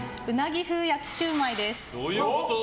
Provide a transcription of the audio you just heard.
どういうこと？